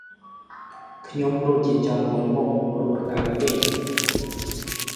ខ្ញុំដូចជាចង់វិល់មុខ ព្រោះក្តៅពេក ។